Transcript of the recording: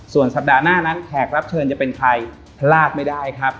ส่วนสัปดาห์หน้านั้นแขกรับเชิญจะเป็นใครพลาดไม่ได้ครับ